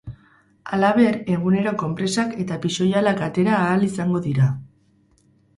Halaber, egunero konpresak eta pixoihalak atera ahal izango dira.